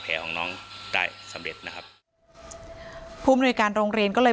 แผลของน้องได้สำเร็จนะครับผู้มนุยการโรงเรียนก็เลย